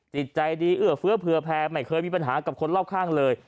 จิตใจดีเอื้อเฟื้อเผื่อแพ้ไม่เคยมีปัญหากับคนรอบข้างเลย